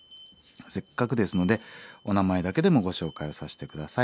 せっかくですのでお名前だけでもご紹介をさせて下さい。